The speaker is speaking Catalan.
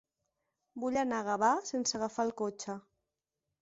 Vull anar a Gavà sense agafar el cotxe.